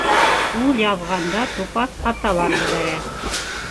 Ул яҙғанда тупаҫ хаталар ебәрә